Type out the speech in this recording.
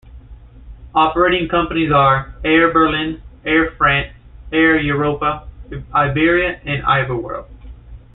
Operating companies are: Air Berlin, Air France, Air Europa, Iberia or Iberworld.